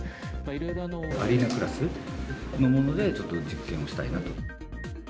アリーナクラスのもので、ちょっと実験をしたいなと。